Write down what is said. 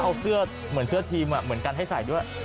เอาเสื้อเหมือนเสื้อทีมเหมือนกันให้ใส่ด้วย